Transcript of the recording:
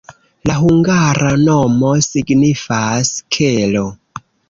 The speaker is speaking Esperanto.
La hungara nomo signifas: kelo.